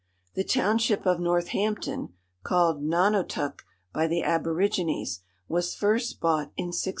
The township of Northampton (called Nonotuc by the aborigines) was first bought in 1653.